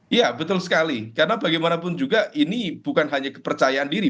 iya betul sekali karena bagaimanapun juga ini bukan hanya kepercayaan diri